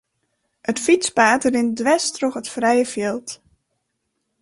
It fytspaad rint dwers troch it frije fjild.